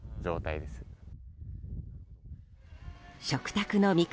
食卓の味方